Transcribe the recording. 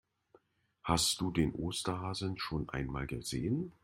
Hast du den Osterhasen schon einmal gesehen?